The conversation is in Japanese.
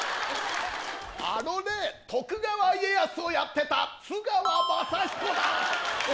あのねぇ徳川家康をやってた津川雅彦だ。